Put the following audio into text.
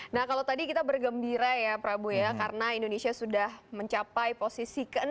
nah kalau tadi kita bergembira ya prabu ya karena indonesia sudah mencapai posisi ke enam